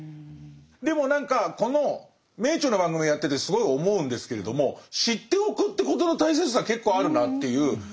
でも何かこの「名著」の番組やっててすごい思うんですけれども「知っておく」ということの大切さ結構あるなっていう。